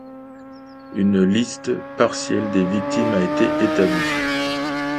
Une liste partielle des victimes a été établie.